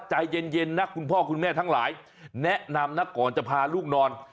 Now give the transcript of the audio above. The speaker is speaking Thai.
ใจเย็นนะคุณพ่อคุณแม่ทั้งหลายแนะนำนะก่อนจะพาลูกนอน